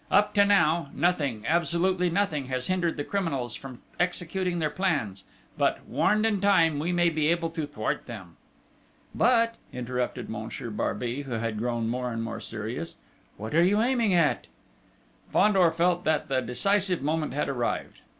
Up to now, nothing, absolutely nothing has hindered the criminals from executing their plans; but, warned in time, we may be able to thwart them." "But," interrupted Monsieur Barbey, who had grown more and more serious. "What are you aiming at?" Fandor felt that the decisive moment had arrived.